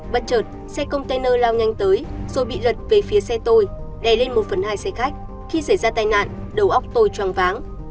bất chợt xe container lao nhanh tới rồi bị lật về phía xe tôi đè lên một phần hai xe khách khi xảy ra tai nạn đầu óc tôi choáng váng